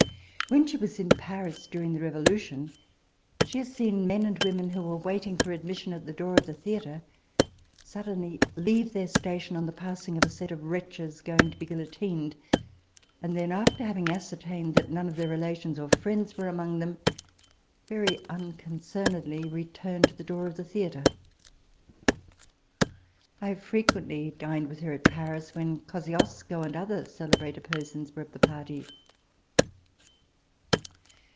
When she was in Paris, during the Revolution, she has seen men and women, who were waiting for admission at the door of the theatre, suddenly leave their station on the passing of a set of wretches going to be guillotined, and then, after having TABLE TALK OF SAMUEL ROGERS 27 ascertained that none of their relations or friends were among them, very unconcernedly return to the door of the theatre. I have frequently dined with her at Paris, when Kosciusko and other celebrated persons were of the party.